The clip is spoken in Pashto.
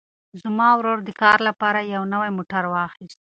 زما ورور د کار لپاره یو نوی موټر واخیست.